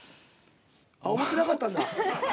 ああ思ってなかったんだ。